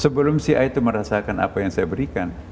sebelum si a itu merasakan apa yang saya berikan